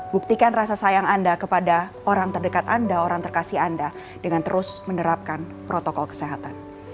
buktikan rasa sayang anda kepada orang terdekat anda orang terkasih anda dengan terus menerapkan protokol kesehatan